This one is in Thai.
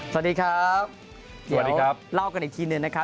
สวัสดีครับสวัสดีครับเล่ากันอีกทีหนึ่งนะครับ